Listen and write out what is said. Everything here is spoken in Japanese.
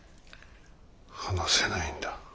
話せないんだ。